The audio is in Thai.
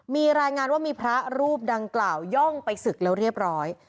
มีรายงานว่ามีพระรูปดังกล่าวย่องไปศึกแล้วเรียบร้อย